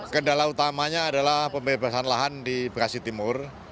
kendala utamanya adalah pembebasan lahan di bekasi timur